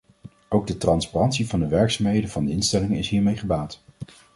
Ook de transparantie van de werkzaamheden van de instellingen is hiermee gebaat.